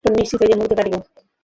এখন নিশ্চিন্ত হইয়া মরিতে পারিব।